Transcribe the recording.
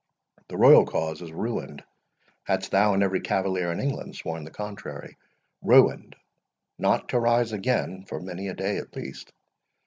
The royal cause is ruined, hadst thou and every cavalier in England sworn the contrary; ruined, not to rise again—for many a day at least.